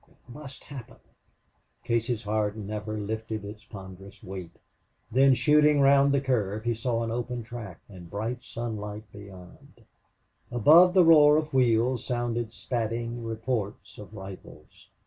It must happen! Casey's heart never lifted its ponderous weight. Then, shooting round the curve, he saw an open track and bright sunlight beyond. Above the roar of wheels sounded spatting reports of rifles.